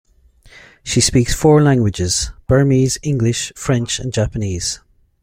She speaks four languages: Burmese, English, French and Japanese.